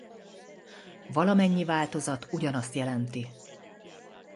Valamennyi változat ugyanazt jelenti.